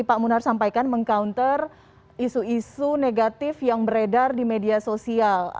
pak munar sampaikan meng counter isu isu negatif yang beredar di media sosial